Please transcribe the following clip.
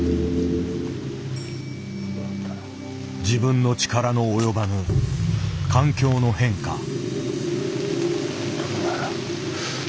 自分の力の及ばぬ環境の変化。